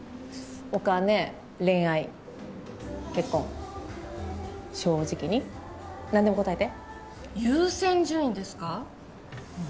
お金恋愛結婚正直に何でも答えて優先順位ですか？